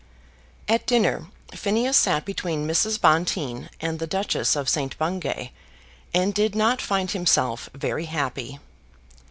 At dinner Phineas sat between Mrs. Bonteen and the Duchess of St. Bungay, and did not find himself very happy.